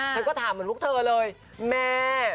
ฉันก็ถามเหมือนลูกเธอเลยแม่